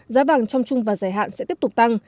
giá vàng trong chung và giải hạn sẽ tiếp tục tăng